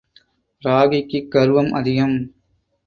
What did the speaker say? ராகிக்கு கர்வம் அதிகம்.